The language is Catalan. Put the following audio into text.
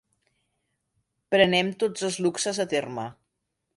Prenem tots els luxes a terme.